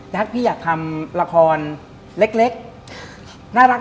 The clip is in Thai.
แจ๊กพี่อยากทำละครเล็ก